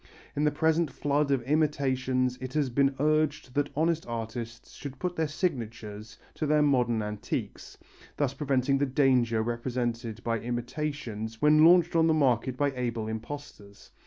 In the present flood of imitations it has been urged that honest artists should put their signatures to their modern antiques, thus preventing the danger represented by imitations when launched on the market by able imposters.